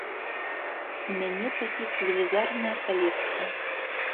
У мяне такіх велізарная калекцыя!